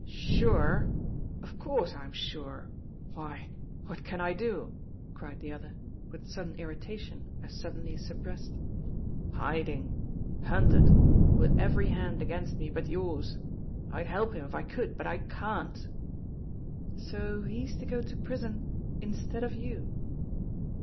"Sure? Of course I'm sure! Why, what can I do?" cried the other, with sudden irritation as suddenly suppressed. "Hiding hunted with every hand against me but yours I'd help him if I could, but I can't." "So he's to go to prison instead of you?"